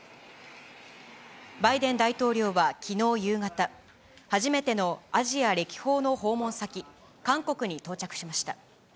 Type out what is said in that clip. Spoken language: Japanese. バイデン大統領はきのう夕方、初めてのアジア歴訪の訪問先、韓国に到着しました。